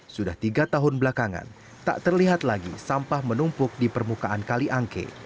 sudah tiga tahun belakangan tak terlihat lagi sampah menumpuk di permukaan kaliangke